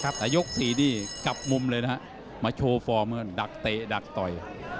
แต่ยก๔นี่จับมุมเลยนะฮะมาโชว์ฟอร์เมืองดักเตะดักต่อย